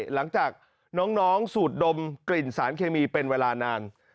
หลังจากน้องสูดดมกลิ่นสารเคมีเป็นเวลานาน